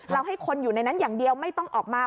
ให้คนอยู่ในนั้นอย่างเดียวไม่ต้องออกมา